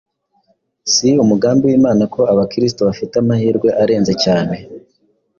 Si umugambi w’Imana ko Abakristo bafite amahirwe arenze cyane